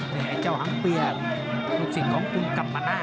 เนี่ยไอ้เจ้าหังเปรียลูกสิทธิ์ของคุณกลับมาหน้า